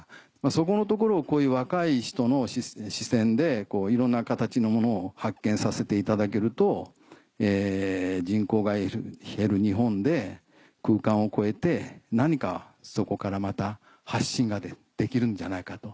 そこのところをこういう若い人の視線でいろんな形のものを発見させていただけると人口が減る日本で空間を超えて何かそこからまた発信ができるんじゃないかと。